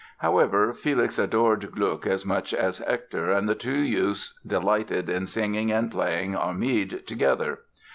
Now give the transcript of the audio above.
However, Felix adored Gluck as much as Hector and the two youths delighted in singing and playing "Armide" together.